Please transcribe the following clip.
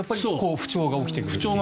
不調が起きてくると。